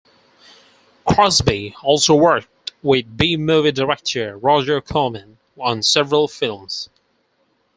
Crosby also worked with B-movie director Roger Corman on several films.